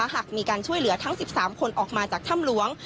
หากมีการช่วยเหลือทั้ง๑๓คนออกมาจากถ้ำหลวง